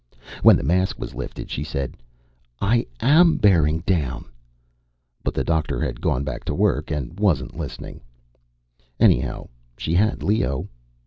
When the mask lifted, she said, "I am bearing down," but the doctor had gone back to work and wasn't listening. Anyhow, she had Leo.